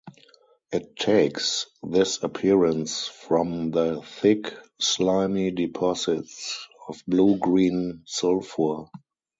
It takes this appearance from the thick, slimy deposits of blue-green sulphur.